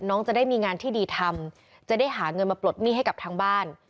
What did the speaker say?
น้องจะได้มีงานที่ดีทำจะได้หาเงินมาปลดหนี้ให้กับทางบ้าน